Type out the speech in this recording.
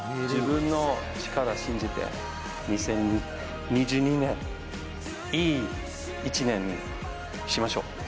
自分の力を信じて、２０２２年、いい一年にしましょう。